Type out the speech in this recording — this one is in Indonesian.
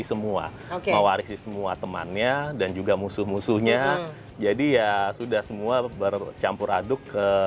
semua mewarisi semua temannya dan juga musuh musuhnya jadi ya sudah semua bercampur aduk ke